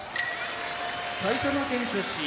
埼玉県出身